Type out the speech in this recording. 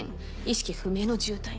意識不明の重体。